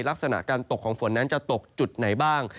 ลักษณะการตกของฝนนั้นจะตกจุดไหนบ้าง